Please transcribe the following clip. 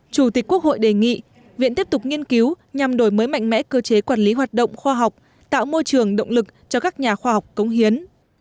chủ tịch quốc hội đề nghị viện tiếp tục nghiên cứu nhằm đổi mới mạnh mẽ cơ chế quản lý hoạt động khoa học tạo môi trường động lực cho các nhà khoa học công hiến